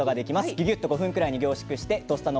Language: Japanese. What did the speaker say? ぎゅぎゅっと５分くらいに凝縮してお届けします。